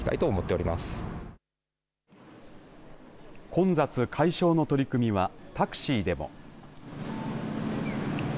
混雑解消の取り組みはタクシーでも。